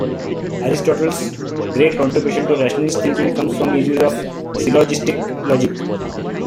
Aristotle's great contribution to rationalist thinking comes from his use of syllogistic logic.